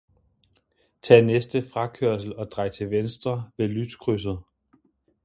Tag næste frakørsel og drej til venstre ved lyskrydset.